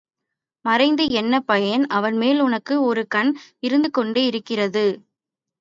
மறைத்து என்ன பயன் அவன் மேல் உனக்கு ஒரு கண் இருந்துகொண்டே இருக்கிறது.